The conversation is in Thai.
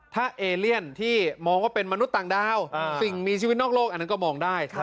ถ้าเอเลียนที่มองว่าเป็นมนุษย์ต่างดาวสิ่งมีชีวิตนอกโลกอันนั้นก็มองได้